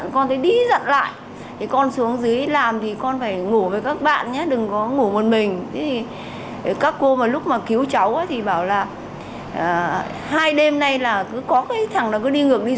còn đây là đối tượng hoàng tuấn an sinh năm hai nghìn hai trú tại xã dương liễu huyện hoài đức thành phố hà nội